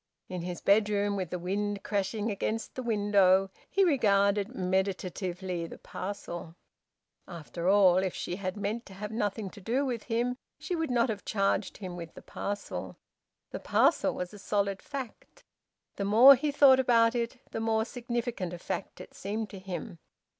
In his bedroom, with the wind crashing against the window, he regarded meditatively the parcel. After all, if she had meant to have nothing to do with him, she would not have charged him with the parcel. The parcel was a solid fact. The more he thought about it, the more significant a fact it seemed to him.